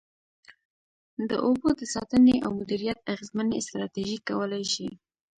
د اوبو د ساتنې او مدیریت اغیزمنې ستراتیژۍ کولای شي.